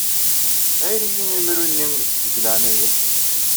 Ɛir-iyi-imru-nni deg leɛnaya-k.